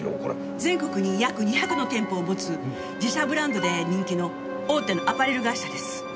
全国に約２００の店舗を持つ自社ブランドで人気の大手のアパレル会社です。